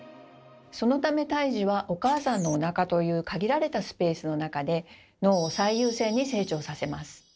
そのため胎児はお母さんのおなかという限られたスペースの中で脳を最優先に成長させます。